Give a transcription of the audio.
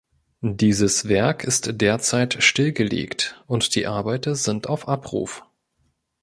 Dieses Werk ist derzeit stillgelegt und die Arbeiter sind auf Abruf.